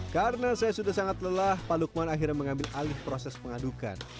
karena saya sudah sangat lelah pak lukman akhirnya mengambil alih proses pengadukan